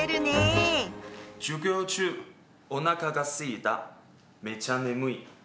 「授業中お腹がすいためちゃ眠い」。